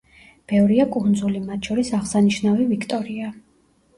ბევრია კუნძული, მათ შორის აღსანიშნავი ვიქტორია.